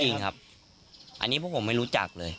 จริงครับอันนี้พวกผมไม่รู้จักเลย